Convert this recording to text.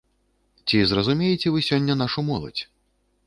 Ці зразумееце вы сёння нашу моладзь?